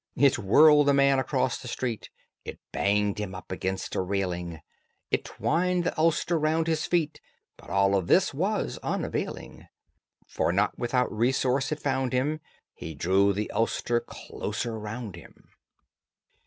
It whirled the man across the street, It banged him up against a railing, It twined the ulster round his feet, But all of this was unavailing: For not without resource it found him: He drew the ulster closer round him.